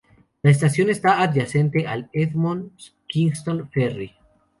La estación está adyacente al Edmonds-Kingston Ferry.